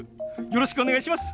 よろしくお願いします！